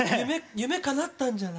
夢かなったんじゃない？